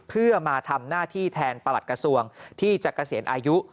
เพื่อมาทำหน้าที่แทนประหลัดกระทรวงที่จะเกษียณอายุ